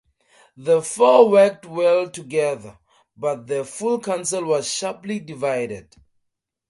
The four worked well together, but the full Council was sharply divided.